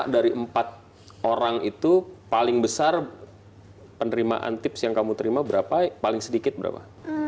dari empat orang itu paling besar penerimaan tips yang kamu terima berapa paling sedikit berapa